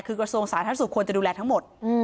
คือกระทรวงสาธารณสุขควรจะดูแลทั้งหมด